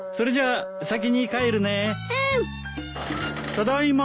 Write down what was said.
ただいま。